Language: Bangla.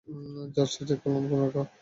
জাস্ট চেক করলাম, ফোন রাখ।